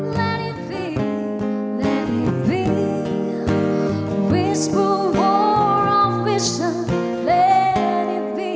terima kasih pak menteri